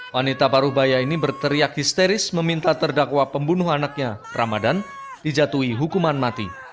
wanita baru bayi ini berteriak histeris meminta terdakwa pembunuh anaknya ramadhan dijatuhi hukuman mati